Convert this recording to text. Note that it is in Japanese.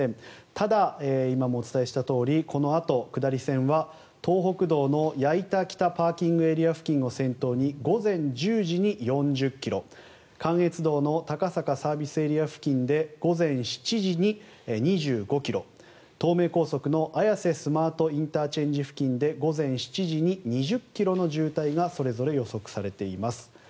ただ、今もお伝えしたとおりこのあと下り線は東北道の矢板北ＰＡ付近を先頭に午前１０時に４０ｋｍ関越道の高坂ＳＡ付近で午前７時に２５ｋｍ東名高速の綾瀬スマートＩＣ付近で午前７時に２０ｋｍの渋滞がそれぞれ予測されています。